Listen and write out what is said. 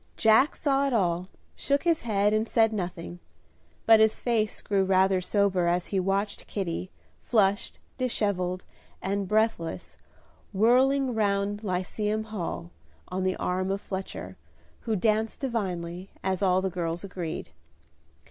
Jack saw it all, shook his head and said nothing; but his face grew rather sober as he watched Kitty, flushed, dishevelled, and breathless, whirling round Lyceum Hall, on the arm of Fletcher, who danced divinely, as all the girls agreed.